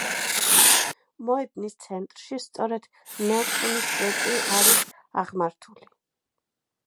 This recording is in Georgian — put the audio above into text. მოედნის ცენტრში სწორედ ნელსონის სვეტი არის აღმართული.